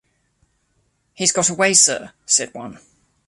"He's got away, sir," said one.